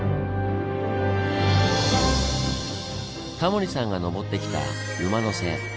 タモリさんが上ってきた「馬の背」。